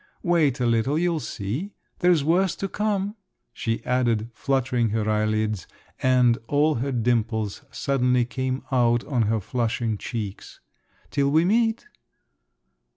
Wait a little, you'll see. There's worse to come," she added, fluttering her eyelids, and all her dimples suddenly came out on her flushing cheeks. "Till we meet!"